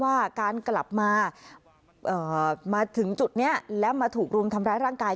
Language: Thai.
ว่าการกลับมามาถึงจุดนี้แล้วมาถูกรุมทำร้ายร่างกาย